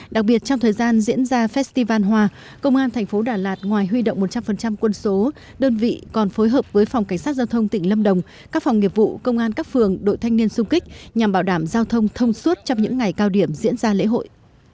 đặc biệt trong thời gian diễn ra festival hòa công an thành phố đà lạt ngoài huy động một trăm linh quân số đơn vị còn phối hợp với phòng cảnh sát giao thông tỉnh lâm đồng các phòng nghiệp vụ công an các phường đội thanh niên xung kích nhằm bảo đảm giao thông thông suốt trong những ngày cao điểm diễn ra lễ hội